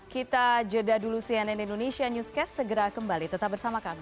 kita jeda dulu cnn indonesia newscast segera kembali tetap bersama kami